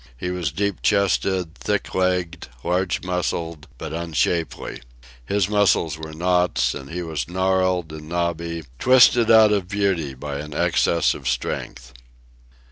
He was deep chested, thick legged, large muscled, but unshapely. His muscles were knots, and he was gnarled and knobby, twisted out of beauty by excess of strength.